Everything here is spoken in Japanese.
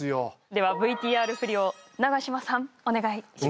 ではＶＴＲ振りを長嶋さんお願いします。